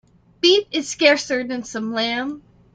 Beef is scarcer than some lamb.